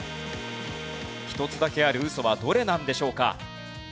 １つだけあるウソはどれなんでしょうか？